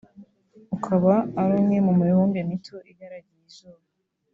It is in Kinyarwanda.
ukaba ari umwe mu mibumbe mito igaragiye izuba